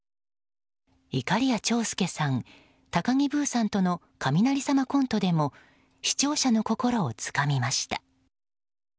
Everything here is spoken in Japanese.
いかりや長介さん高木ブーさんとの雷様コントでも視聴者の心をつかみました。